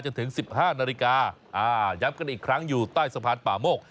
จะถึง๑๕นาฬิกาย้ำกันอีกครั้งอยู่ใต้สะพานป่ามก